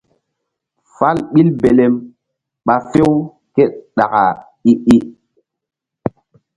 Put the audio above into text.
Fal ɓil belem ɓa few ké ɗaka i-i.